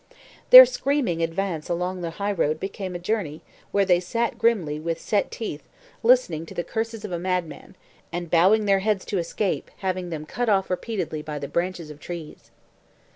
Their screaming advance along the highroad became a journey, where they sat grimly, with set teeth, listening to the curses of a madman, and bowing their heads to escape having them cut off repeatedly by the branches of trees.